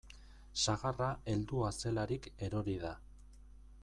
Sagarra heldua zelarik erori da.